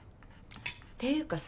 っていうかさ